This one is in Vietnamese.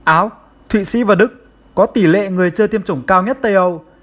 áo thụy sĩ và đức có tỷ lệ người chơi tiêm chủng cao nhất tây âu